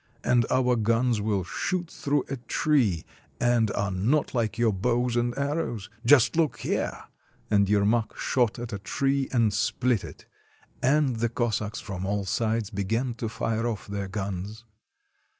And our guns will shoot through a tree, and are not like your bows and arrows. Just look here!" And Yermak shot at a tree and split it, and the Cos sacks from all sides began to fire off their guns.